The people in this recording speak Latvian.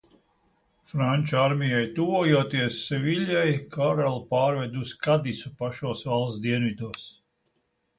Franču armijai tuvojoties Seviljai, karali pārveda uz Kadisu pašos valsts dienvidos.